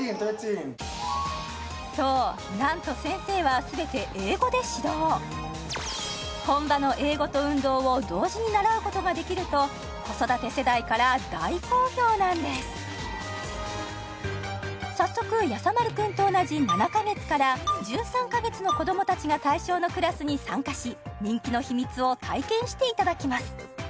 そうなんと先生はすべて英語で指導本場の英語と運動を同時に習うことができると子育て世代から大好評なんです早速やさ丸くんと同じ７か月から１３か月の子供たちが対象のクラスに参加し人気の秘密を体験していただきます